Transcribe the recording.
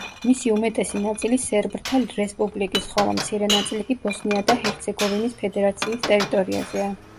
მისი უმეტესი ნაწილი სერბთა რესპუბლიკის, ხოლო მცირე ნაწილი კი ბოსნია და ჰერცეგოვინის ფედერაციის ტერიტორიაზეა.